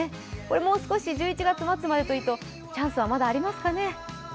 もう少し１１月末までチャンスは、まだありますかね。